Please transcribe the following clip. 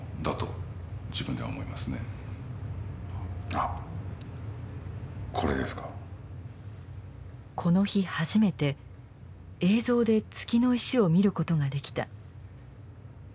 あっこの日初めて映像で月の石を見ることができた。